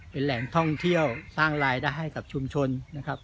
เป็นแหล่งท่องเที่ยวสร้างรายได้ให้กับชุมชนนะครับ